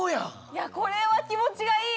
いやこれは気持ちがいい！